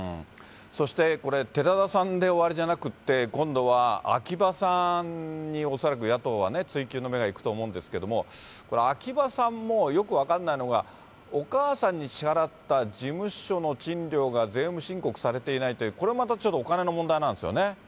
そしてこれ、寺田さんで終わりじゃなくて、今度は秋葉さんに恐らく野党は追及の目がいくと思うんですけれども、秋葉さんもよく分かんないのが、お母さんに支払った事務所の賃料が税務申告されていないという、これまたちょっとお金の問題なんですよね。